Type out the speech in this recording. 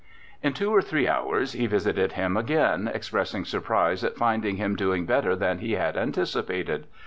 In two or three hours he visited him again, expressing surprise at finding him doing better than he had anti cipated.